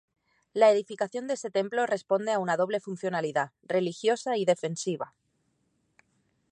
La edificación de este templo responde a una doble funcionalidad: religiosa y defensiva.